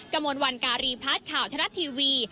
กระมวลวันการีพาร์ทข่าวธนตราสทีวี